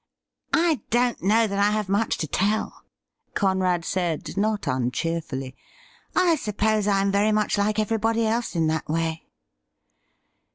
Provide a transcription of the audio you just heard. ' I don't know that I have much to tell,' Conrad said not uncheerfully ;' I suppose I am very much like every body else in that way.'